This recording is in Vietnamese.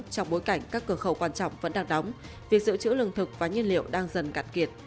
trong bối cảnh các cửa khẩu quan trọng vẫn đang đóng việc giữ chữ lương thực và nhiên liệu đang dần cạn kiệt